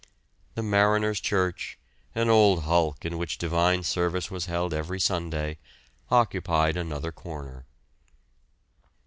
The Mariners' church, an old hulk in which Divine Service was held every Sunday, occupied another corner.